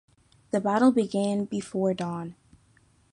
The battle began before dawn.